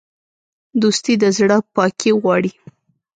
دوستي د زړه پاکي غواړي.